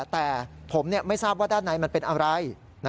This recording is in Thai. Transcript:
แต่ผมไม่ทราบว่าด้านในมันเป็นอะไร